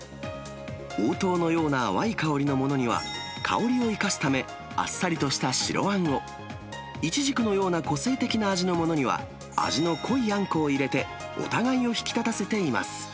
黄桃のような淡い香りのものには、香りを生かすため、あっさりとした白あんを、イチジクのような個性的な味のものには、味の濃いあんこを入れて、お互いを引き立たせています。